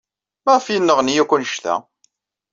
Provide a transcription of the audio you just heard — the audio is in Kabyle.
Maɣef ay yenneɣni akk anect-a?